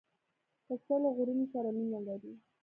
پسه له غرونو سره مینه لري.